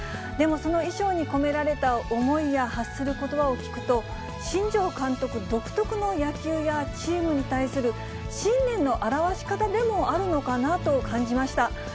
でも、その衣装に込められた思いや発することばを聞くと、新庄監督独特の野球やチームに対する信念の表し方でもあるのかなと感じました。